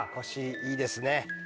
いいですね。